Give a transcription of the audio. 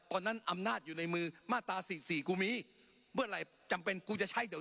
ก่อนนั้นอำนาจอยู่ในมือมาตรา๔๔กูมีเพื่ออะไรจำเป็นกูจะใช้เดี๋ยว